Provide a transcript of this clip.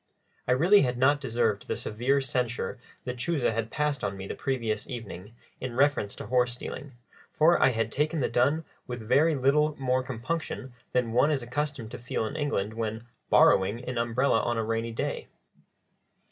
I really had not deserved the severe censure Lechuza had passed on me the previous evening in reference to horse stealing, for I had taken the dun with very little more compunction than one is accustomed to feel in England when "borrowing" an umbrella on a rainy day.